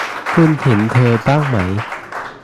คุณเห็นเธอบ้างไหม